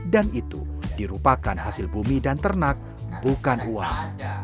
dan itu dirupakan hasil bumi dan ternak bukan uang